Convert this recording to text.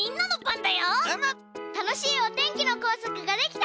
たのしいおてんきのこうさくができたら。